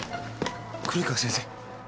黒井川先生。